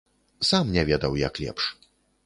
Сам не ведаў, як лепш.